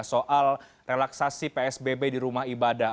soal relaksasi psbb di rumah ibadah